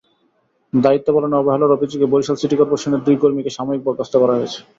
দায়িত্ব পালনে অবহেলার অভিযোগে বরিশাল সিটি করপোরেশনের দুই কর্মীকে সাময়িক বরখাস্ত করা হয়েছে।